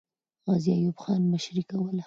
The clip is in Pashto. غازي ایوب خان مشري کوله.